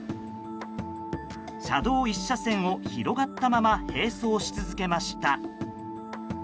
車道１車線を、広がったまま並走し続けました。